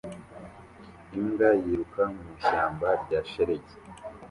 Imbwa yiruka mu ishyamba rya shelegi